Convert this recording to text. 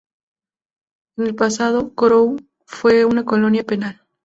En el pasado, Kourou fue una colonia penal.